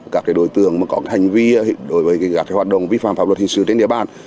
các đối tượng có hành vi đối với các hoạt động vi phạm pháp luật hình sự trên địa bàn